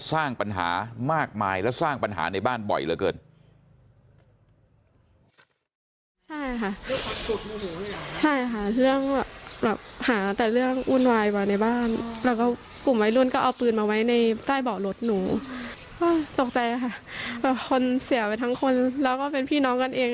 สร้างปัญหามากมายและสร้างปัญหาในบ้านบ่อยเหลือเกิน